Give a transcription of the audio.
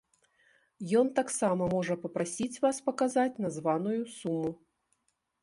Ён таксама можа папрасіць вас паказаць названую суму.